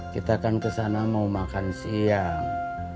kita kan kesana mau makan siang